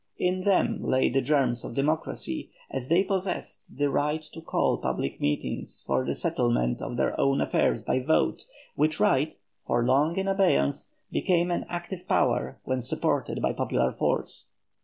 In them lay the germs of democracy, as they possessed the right to call public meetings for the settlement of their own affairs by vote, which right, for long in abeyance, became an active power when supported by popular force.